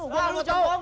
gue mau nunggu cowok